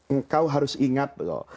engkau harus ingat loh